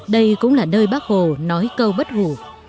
đây cũng là nơi bác hồ nói câu bất hủ